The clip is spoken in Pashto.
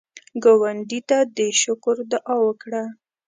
ګاونډي ته د شکر دعا وکړه